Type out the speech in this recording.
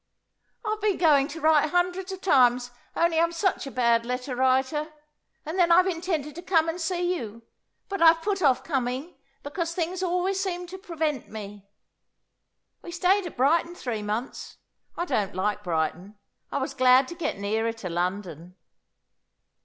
"I've been going to write hundreds of times, only I'm such a bad letter writer. And then I've intended to come and see you, but I've put off coming because things always seemed to prevent me. We stayed at Brighton three months; I don't like Brighton. I was glad to get nearer to London."